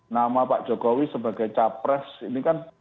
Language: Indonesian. nama pak jokowi sebagai capres ini kan